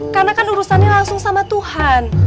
karena kan urusannya langsung sama tuhan